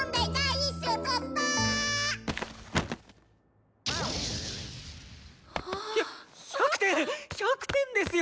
１００点ですよ